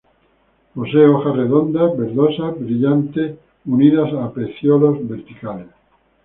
Posee hojas redondas, verdosas brillante, unidas a peciolos verticales.